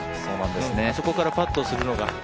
あそこからパットするのが。